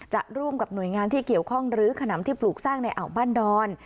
ร่วมกับหน่วยงานที่เกี่ยวข้องหรือขนำที่ปลูกสร้างในอ่าวบ้านดอน